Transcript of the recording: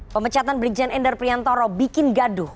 pemecatan brigjen endar priantoro bikin gaduh